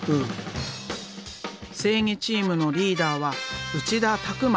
正義チームのリーダーは内田拓磨。